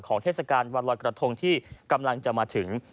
เทศกาลวันลอยกระทงที่กำลังจะมาถึง